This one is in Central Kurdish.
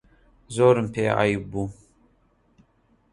زۆرم پێ عەیب بوو